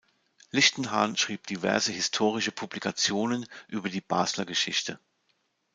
Lichtenhahn schrieb diverse historische Publikationen über die Basler Geschichte.